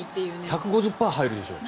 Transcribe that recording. １５０％入るでしょ。